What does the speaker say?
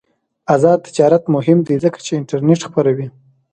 آزاد تجارت مهم دی ځکه چې انټرنیټ خپروي.